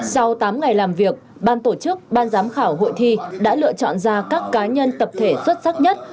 sau tám ngày làm việc ban tổ chức ban giám khảo hội thi đã lựa chọn ra các cá nhân tập thể xuất sắc nhất